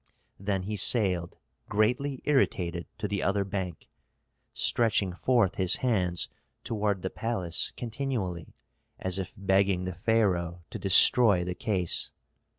Then he sailed, greatly irritated, to the other bank, stretching forth his hands toward the palace continually, as if begging the pharaoh to destroy the case.